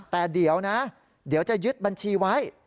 แต่เดี๋ยวนะเดี๋ยวจะยึดบัญชีไว้